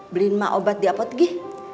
beliin mah obat di apotgi